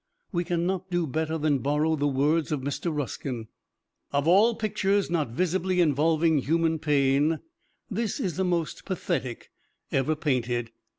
We can not do better than borrow the words of Mr. Ruskin: "Of all pictures not visibly involving human pain, this is the most pathetic ever painted.